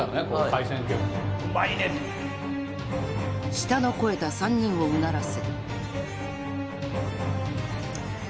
舌の肥えた３人をうならせ